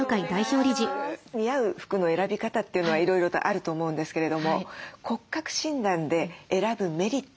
似合う服の選び方というのはいろいろとあると思うんですけれども骨格診断で選ぶメリットというのを教えて頂けますか？